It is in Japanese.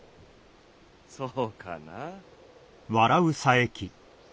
そうかな？